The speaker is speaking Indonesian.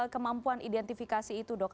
kemampuan identifikasi itu dok